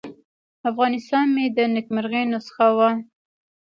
افغانستان مې د نیکمرغۍ نسخه وه.